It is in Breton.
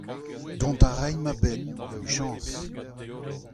Dont a raimp a-benn, emichañs !